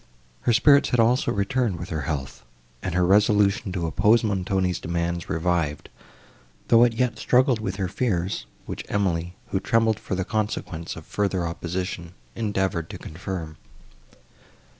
Her spirits had also returned with her health, and her resolution to oppose Montoni's demands revived, though it yet struggled with her fears, which Emily, who trembled for the consequence of further opposition, endeavoured to confirm.